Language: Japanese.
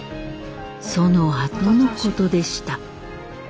そのあとのことでした。